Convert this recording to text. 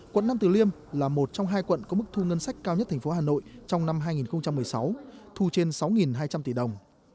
quận nam tử liêm là một trong hai quận có mức thu ngân sách cao nhất thành phố hà nội trong năm hai nghìn một mươi sáu thu trên sáu hai trăm linh tỷ đồng